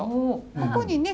ここにね